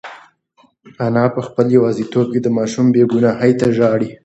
انا په خپل یوازیتوب کې د ماشوم بېګناهۍ ته ژاړي.